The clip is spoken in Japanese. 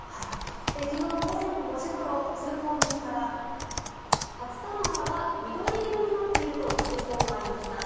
昨日午前５時ごろ通行人から竜田川が緑色になっていると通報がありました。